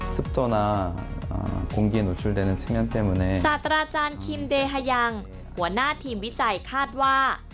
สตราจารย์คิมเดเฮยังหัวหน้าทีมวิจัยคาดว่า